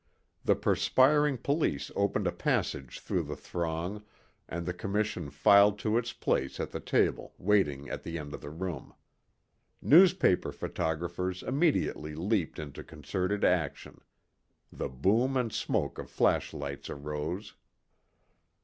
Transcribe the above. The perspiring police opened a passage through the throng and the commission filed to its place at the table waiting at the end of the room. Newspaper photographers immediately leaped into concerted action. The boom and smoke of flashlights arose.